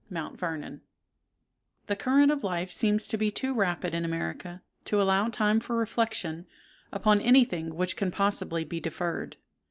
MOUNT VERNON. The current of life seems to be too rapid in America to allow time for reflection upon any thing which can possibly be deferred.